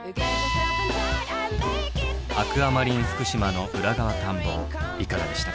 アクアマリンふくしまの裏側探訪いかがでしたか？